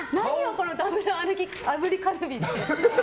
このダブル歩き炙りカルビって。